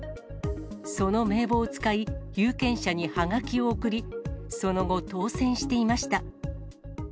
その名簿を使い、有権者にはがきを送り、その後、当選していました。